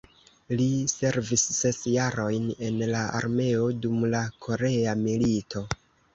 Li servis ses jarojn en la armeo dum la Korea milito.